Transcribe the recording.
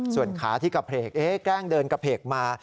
ส่วนขาที่กระเพลกแกล้งเดินกระเพกมา